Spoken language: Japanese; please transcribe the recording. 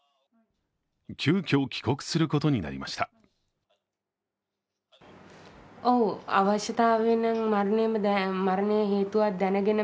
急きょ、帰国することになりました